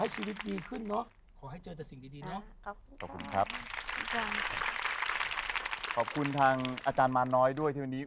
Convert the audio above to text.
สำหรับทางอาจารย์มาน้อยด้วยที่วันนี้